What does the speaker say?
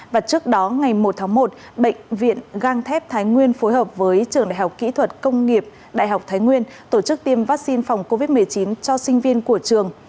và trước đó ngày một tháng một bệnh viện gang thép thái nguyên phối hợp với trường đại học kỹ thuật công nghiệp đại học thái nguyên tổ chức tiêm vaccine phòng covid một mươi chín cho sinh viên của trường